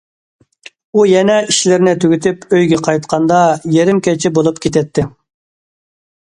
ئۇ يەنە ئىشلىرىنى تۈگىتىپ ئۆيىگە قايتقاندا، يېرىم كېچە بولۇپ كېتەتتى.